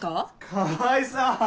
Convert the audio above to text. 川合さん！